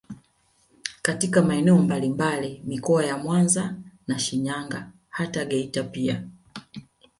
Katika maeneo mbalimbali mikoa ya Mwanza na Shinyanga hata Geita pia